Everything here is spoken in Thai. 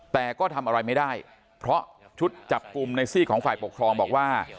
แต่ก็ทำอะไรไม่ได้เพราะชุดจับกลุ่มในซี่ของฝ่ายปกครองบอกว่า